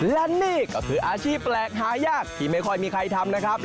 และนี่ก็คืออาชีพแปลกหายากที่ไม่ค่อยมีใครทำนะครับ